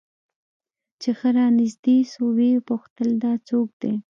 چې ښه رانژدې سوه ويې پوښتل دا څوک دى.